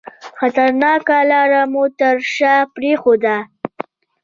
خطرناکه لار مو تر شاه پرېښوده.